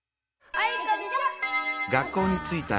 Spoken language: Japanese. あいこでしょ！